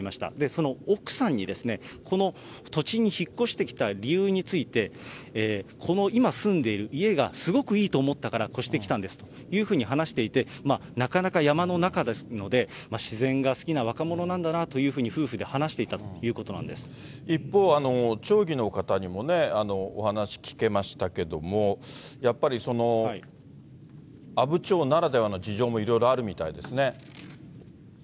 その奥さんに、この土地に引っ越してきた理由について、この、今住んでいる家がすごくいいと思ったから越してきたんですというふうに話していて、なかなか山の中ですので、自然が好きな若者なんだなというふうに夫婦で話していたというこ一方、町議の方にもお話聞けましたけども、やっぱり阿武町ならではの事情もいろいろあるみたいですね。